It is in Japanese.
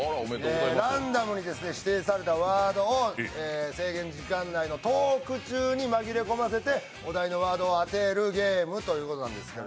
ランダムに指定されたワードを制限時間内のトーク中に紛れ込ませてお題のワードを当てるゲームということなんです。